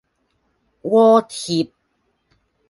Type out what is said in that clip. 鍋貼